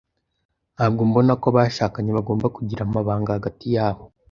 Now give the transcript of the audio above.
Ntabwo mbona ko abashakanye bagomba kugira amabanga hagati yabo.